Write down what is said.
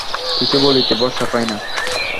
কিছু বলিতে ভরসা পায় না।